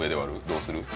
どうする？